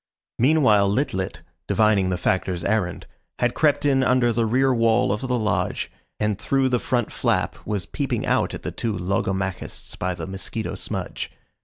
Meanwhile Lit lit, divining the Factor's errand, had crept in under the rear wall of the lodge, and through the front flap was peeping out at the two logomachists by the mosquito smudge.